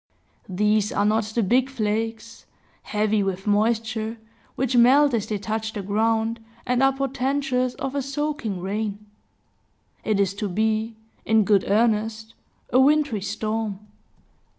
These are not the big flakes, heavy with moisture, which melt as they touch the ground, and are portentous of a soaking rain. It is to be, in good earnest, a wintry storm.